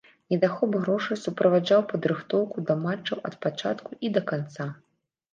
Недахоп грошай суправаджаў падрыхтоўку да матчаў ад пачатку і да канца.